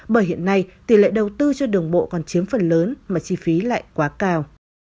bởi hiện nay tỷ lệ đầu tư cho đường bộ còn chiếm phần lớn mà chi phí lại quá cao